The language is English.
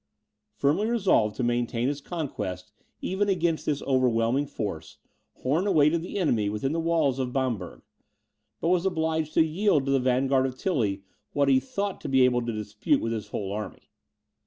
Firmly resolved to maintain his conquest even against this overwhelming force, Horn awaited the enemy within the walls of Bamberg; but was obliged to yield to the vanguard of Tilly what he had thought to be able to dispute with his whole army.